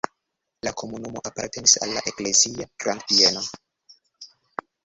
La komunumo apartenis al la eklezia grandbieno.